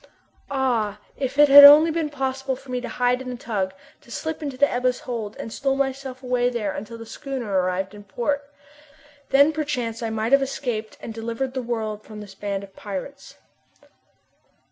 Ah! if it had only been possible for me to hide in the tug, to slip into the Ebba's hold, and stow myself away there until the schooner arrived in port! Then perchance I might have escaped and delivered the world from this band of pirates.